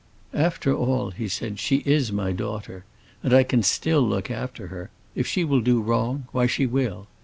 "After all," he said, "she is my daughter, and I can still look after her. If she will do wrong, why she will.